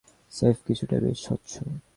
স্রেফ কিছুটা বেশি স্বচ্ছ।